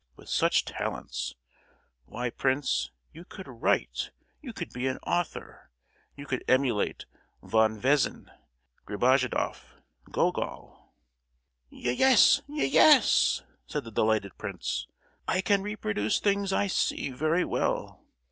With such talents! Why, prince, you could write, you could be an author. You could emulate Von Vezin, Gribojedoff, Gogol!" "Ye—yes! ye—yes!" said the delighted prince. "I can reproduce things I see, very well.